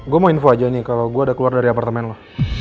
gue mau info aja nih kalau gue udah keluar dari apartemen loh